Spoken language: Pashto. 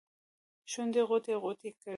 شونډې غوټې ، غوټې کړي